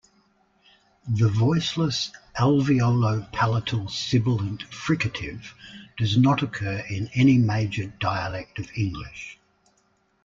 The voiceless alveolo-palatal sibilant fricative does not occur in any major dialect of English.